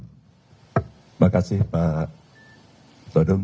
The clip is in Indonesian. terima kasih pak sodung